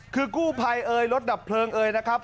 คือกู้ภัยเอ่ยรถดับเพลิงเอยนะครับ